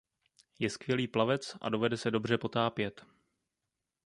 Je skvělý plavec a dovede se dobře potápět.